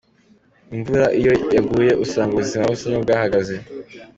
Imvura iyo yaguye usanga ubuzima busa n’ubwahagaze.